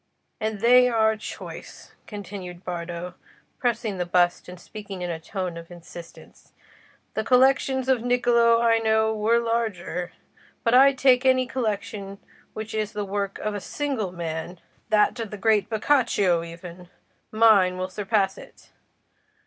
And they are choice," continued Bardo, pressing the bust and speaking in a tone of insistence. "The collections of Niccolò I know were larger; but take any collection which is the work of a single man—that of the great Boccaccio even—mine will surpass it.